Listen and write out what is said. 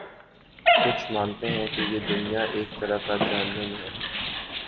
کچھ مانتے ہیں کہ یہ دنیا ایک طرح کا جہنم ہے۔